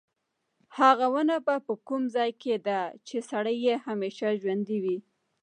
هغه ونه په کوم ځای کې ده چې سړی همیشه ژوندی وي.